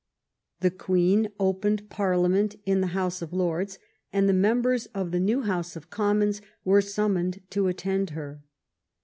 The Queen opened Farliament in the House of Lords, and the members of the new House of Commons were sum moned to attend her.